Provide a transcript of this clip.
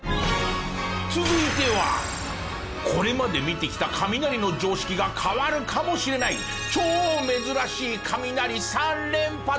続いてはこれまで見てきた雷の常識が変わるかもしれない超珍しい雷３連発！